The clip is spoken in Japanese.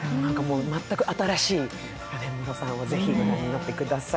全く新しいムロさんをぜひ御覧になってください。